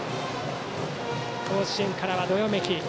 甲子園からはどよめき。